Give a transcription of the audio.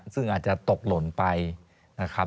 ซึ่งอาจจะตกหล่นไปนะครับ